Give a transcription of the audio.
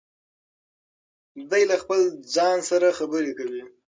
دی له خپل ځان سره خبرې کوي.